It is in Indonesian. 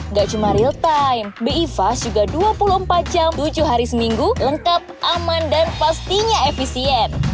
nggak cuma real time bi fast juga dua puluh empat jam tujuh hari seminggu lengkap aman dan pastinya efisien